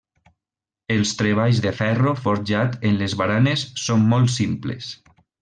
Els treballs de ferro forjat en les baranes són molt simples.